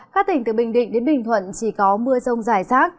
các tỉnh từ bình định đến bình thuận chỉ có mưa rông rải rác